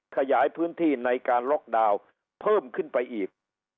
ขยายพื้นที่ในการล็อกดาวน์เพิ่มขึ้นไปอีก